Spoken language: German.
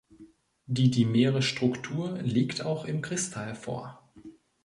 Die dimere Struktur liegt auch im Kristall vor.